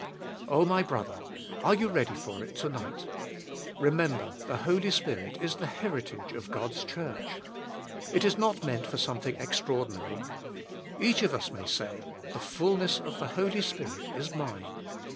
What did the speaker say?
Oh, my brother, are you ready for it tonig ht? Remember, the Holy Spirit is the heritage of God's church. It is not meant for something extraordi nary. Each of us may say. The fullness of the Holy Spirit is mine.